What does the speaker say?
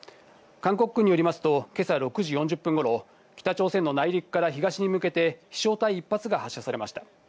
韓国軍によりますと今朝６時４０分頃、北朝鮮の内陸から東に向けて飛翔体１発が発射されました。